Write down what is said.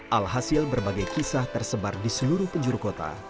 alhasil berbagai kisah tersebar di seluruh penjuru kota